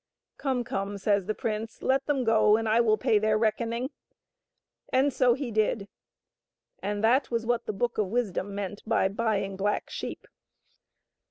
" Come, come," says the prince, " let them go and I will pay their reckoning ;" and so he did, and that was what the Book of Wisdom meant by buying black sheep.